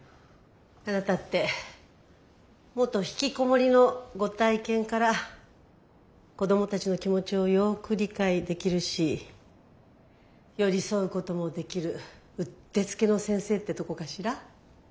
あなたって元ひきこもりのご体験から子供たちの気持ちをよく理解できるし寄り添うこともできるうってつけの先生ってとこかしら？